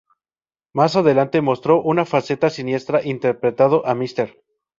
Más adelante mostró una faceta siniestra interpretando a Mr.